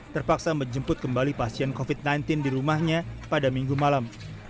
terpaksa menjemput kembali pasien covid sembilan belas di rumahnya pada minggu malam